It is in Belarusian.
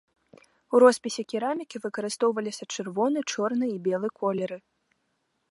У роспісе керамікі выкарыстоўваліся чырвоны, чорны і белы колеры.